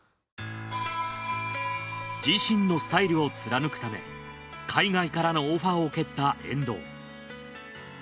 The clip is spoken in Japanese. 自身のスタイルを貫くため海外からのオファーを蹴った遠藤。